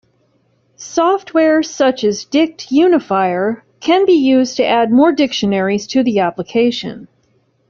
Software such as DictUnifier can be used to add more dictionaries to the application.